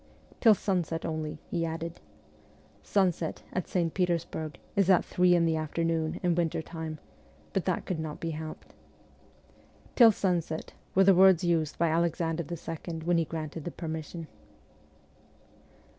' Till sunset only,' he added. Sunset, at St. Petersburg, is at three in the afternoon, in winter time ; but that could not be helped. ' Till sunset ' were the words used by Alexander II. when he granted the permission.